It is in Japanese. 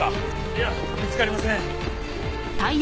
いや見つかりません。